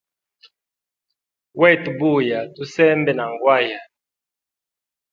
Wetu buya tusembe na ngwaya.